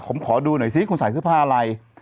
ผมขอดูหน่อยซิคุณใส่เสื้อผ้าอะไร